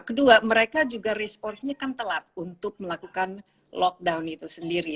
kedua mereka juga responsnya kan telat untuk melakukan lockdown itu sendiri